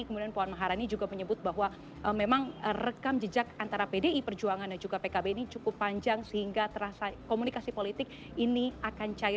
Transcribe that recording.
kemudian puan maharani juga menyebut bahwa memang rekam jejak antara pdi perjuangan dan juga pkb ini cukup panjang sehingga terasa komunikasi politik ini akan cair